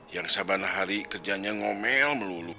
yang saban hari kerjanya ngomel melulu